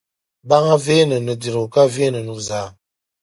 Baŋa veeni nudirigu ka veeni nuzaa.